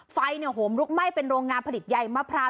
ไฟโหมลุกไหม้เป็นโรงงานผลิตใยมะพร้าว